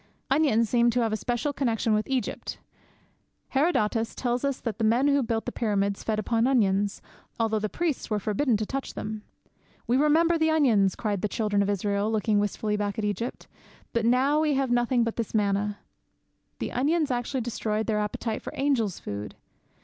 "' Onions seem to have a special connexion with Egypt. Herodotus tells us that the men who built the Pyramids fed upon onions, although the priests were forbidden to touch them. 'We remember the onions!' cried the children of Israel, looking wistfully back at Egypt, 'but now we have nothing but this manna!' The onions actually destroyed their appetite for angels' food!